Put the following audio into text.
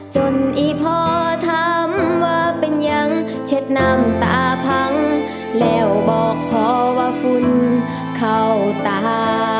อีพอถามว่าเป็นยังเช็ดน้ำตาพังแล้วบอกพอว่าฝุ่นเข้าตา